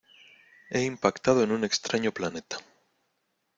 He impactado en un extraño planeta.